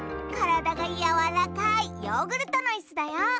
からだがやわらかいヨーグルトのイスだよ。